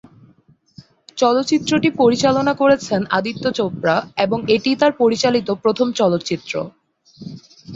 চলচ্চিত্রটি পরিচালনা করেছেন আদিত্য চোপড়া এবং এটিই তার পরিচালিত প্রথম চলচ্চিত্র।